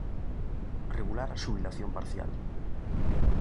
Regular a xubilación parcial.